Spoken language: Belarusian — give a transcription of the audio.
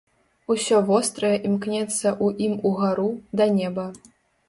Усё вострае імкнецца ў ім угару, да неба.